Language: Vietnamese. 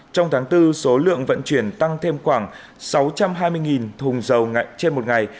trong tháng bốn số lượng vận chuyển tăng thêm khoảng sáu trăm hai mươi thùng dầu trên một ngày